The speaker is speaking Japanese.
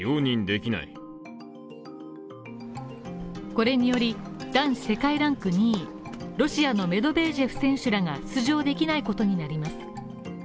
これにより、男子世界ランク２位ロシアのメドベージェフ選手らが出場できないことになります